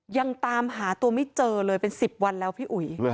ยังตามหาตัวไม่เจอเลยเป็น๑๐วันแล้วพี่อุ๋ย